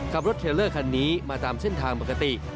เทลเลอร์คันนี้มาตามเส้นทางปกติ